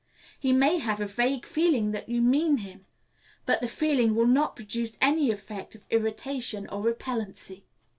He may have a vague feeling that you mean him, but the feeling will not produce any effect of irritation or repellency.